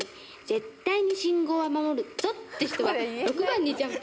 絶対に信号は守るぞって人は６番にジャンプ。